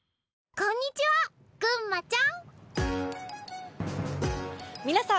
こんにちは、ぐんまちゃん。